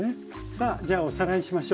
さあじゃあおさらいしましょう。